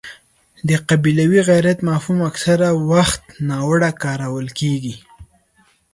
د قبیلوي غیرت مفهوم اکثره وخت ناوړه کارول کېږي.